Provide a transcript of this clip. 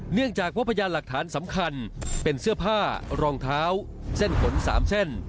เนื่องจากว่าพยานหลักฐานสำคัญเป็นเสื้อผ้ารองเท้าเส้นขน๓เส้น